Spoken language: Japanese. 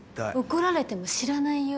怒られても知らないよ。